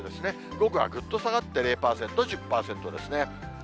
午後はぐっと下がって０％、１０％ですね。